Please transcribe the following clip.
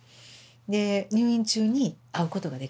で入院中に会うことができたんです。